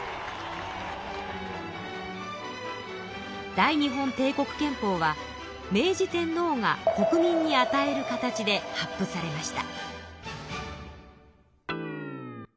大日本帝国憲法は明治天皇が国民にあたえる形で発布されました。